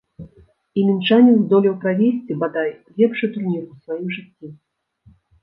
І мінчанін здолеў правесці, бадай, лепшы турнір у сваім жыцці.